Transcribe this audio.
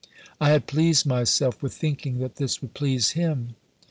I had pleased myself with thinking that this would please him.